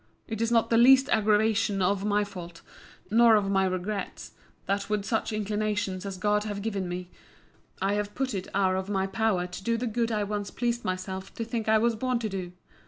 It is not the least aggravation of my fault, nor of my regrets, that with such inclinations as God has given me, I have put it out of my power to do the good I once pleased myself to think I was born to do.